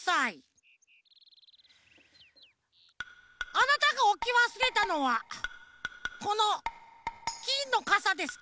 あなたがおきわすれたのはこのきんのかさですか？